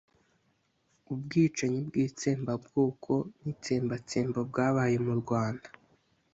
ubwicanyi bw'itsembabwoko n'itsembatsemba bwabaye mu Rwanda